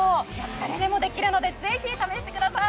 誰でもできるのでぜひ試してください。